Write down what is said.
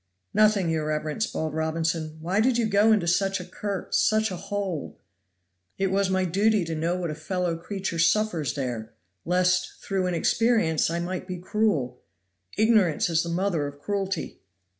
"Nothing, your reverence," bawled Robinson. "Why did you go into such a cur into such a hole?" "It was my duty to know what a fellow creature suffers there, lest, through inexperience, I might be cruel. Ignorance is the mother of cruelty!"